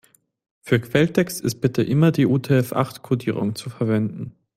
Für Quelltext ist bitte immer die UTF-acht-Kodierung zu verwenden.